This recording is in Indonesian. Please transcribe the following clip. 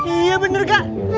iya bener kak